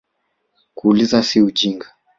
Kuuliza si ujinga